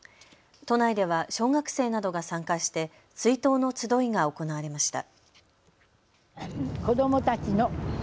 都内では小学生などが参加して追悼の集いが行われました。